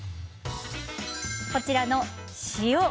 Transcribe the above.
こちらの塩。